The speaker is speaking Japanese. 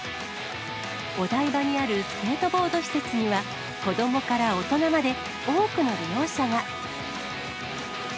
お台場にあるスケートボード施設には、子どもから大人まで、多くの利用者が。